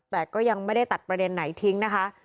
แต่ก็ยังไม่ได้ตัดประเด็นไหนทิ้งนะคะ